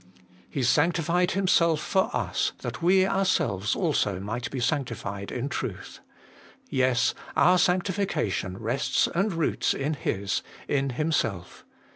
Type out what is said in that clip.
He sanctified Himself for us, that we ourselves also might be sanctified in truth. Yes, our sancti fication rests and roots in His, in Himself.